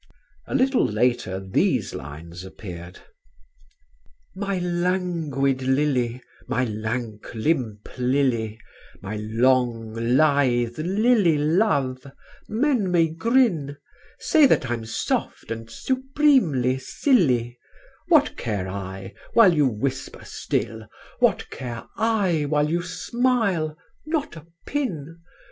A little later these lines appeared: "My languid lily, my lank limp lily, My long, lithe lily love, men may grin Say that I'm soft and supremely silly What care I, while you whisper still; What care I, while you smile? Not a pin!